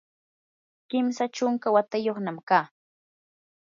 kimsa chunka watayuqnami kaa.